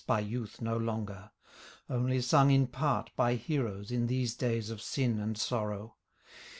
by youth no longer, Only sung in part by heroes In these days of sin and sorrow.